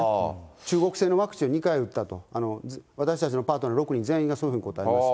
中国製のワクチンを２回打ったと、私たちのパートナー６人が全員そういうふうに答えました。